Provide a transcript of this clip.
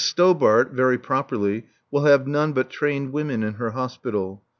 Stobart, very properly, will have none but trained women in her hospital.